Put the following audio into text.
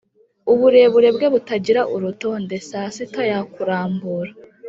uburebure bwe butagira urutonde saa sita yakurambura,